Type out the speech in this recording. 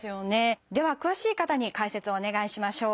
では詳しい方に解説をお願いしましょう。